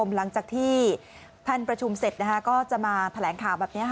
หลังจากที่ท่านประชุมเสร็จก็จะมาแถลงข่าวแบบนี้